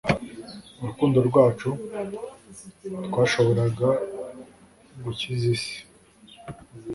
urukundo rwacu, twashoboraga gukiza isi